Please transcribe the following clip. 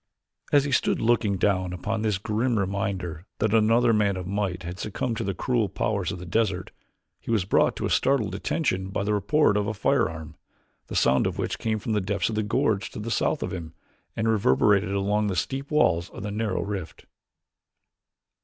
As he stood looking down upon this grim reminder that another man of might had succumbed to the cruel powers of the desert, he was brought to startled attention by the report of a firearm, the sound of which came from the depths of the gorge to the south of him, and reverberated along the steep walls of the narrow rift.